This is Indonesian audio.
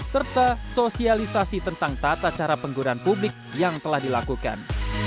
serta sosialisasi tentang tata cara penggunaan publik yang telah dilakukan